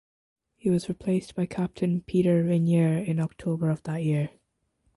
He was replaced by Captain Peter Rainier in October of that year.